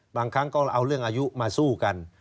บางครั้งก็เอาเรื่องอายุมาสู้กัน